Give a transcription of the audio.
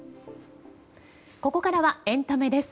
ここからはエンタメです。